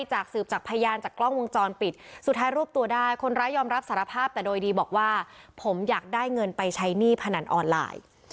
จากสืบจากพยานจากกล้องวงจรปิดสุดท้ายรวบตัวได้คนร้ายยอมรับสารภาพแต่โดยดีบอกว่าผมอยากได้เงินไปใช้หนี้พนันออนไลน์